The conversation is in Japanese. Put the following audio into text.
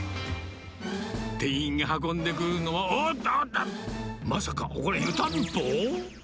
店員が運んでくるのは、おーっと、まさかこれ、湯たんぽ？